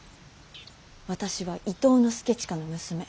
私は伊東祐親の娘。